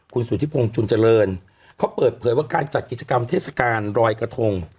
คุณสุธิพงศ์จุนเจริญเขาเปิดเผยว่าการจัดกิจกรรมเทศกาลรอยกระทง